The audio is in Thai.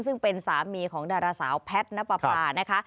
ซึ่งเป็นสามีของดาราสาวแพทย์นับประพานะคะ